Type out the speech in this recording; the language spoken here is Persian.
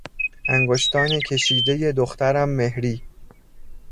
انگشتان کشیدهی دخترم مهری